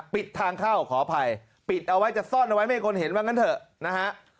ปิดทางเข้าขออภัยปิดเอาไว้จัดซ่อนไว้ไม่เคยคงเห็นนะ